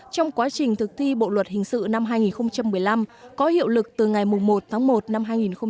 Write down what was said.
trong quá trình thực thi bộ luật hình sự năm hai nghìn một mươi năm có hiệu lực từ ngày một tháng một năm hai nghìn một mươi chín